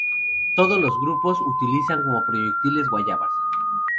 Todo los grupos utilizan como proyectiles guayabas.